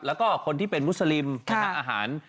แล้วก็คนที่เป็นมุสลิมอาหาร